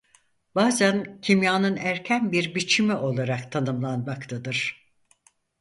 Bazen kimyanın erken bir biçimi olarak tanımlanmaktadır.